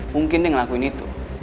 mungkin dia ngelakuin itu